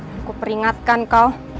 aku peringatkan kau